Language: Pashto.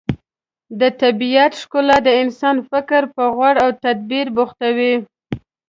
د طبیعت ښکلا د انسان فکر په غور او تدبر بوختوي.